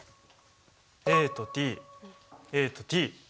ＡとＴＡとＴ。